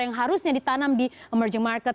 yang harusnya ditanam di emerging market